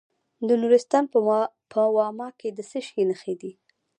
د نورستان په واما کې د څه شي نښې دي؟